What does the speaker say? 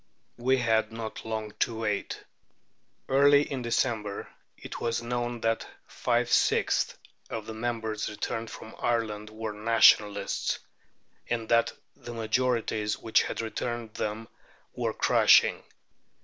We had not long to wait. Early in December it was known that five sixths of the members returned from Ireland were Nationalists, and that the majorities which had returned them were crushing.